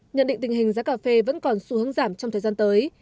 nhận định tình hình giá cà phê vẫn còn xu hướng giảm trong thời gian tới